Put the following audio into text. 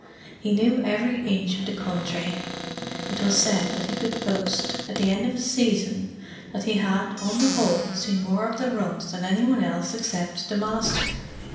He knew every inch of the country; it was said that he could boast, at the end of a season, that he had, on the whole, seen more of the runs than any one else except the Master.